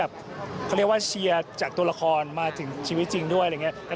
เขาเรียกว่าเชียร์จากตัวละครมาถึงชีวิตจริงด้วยอะไรอย่างนี้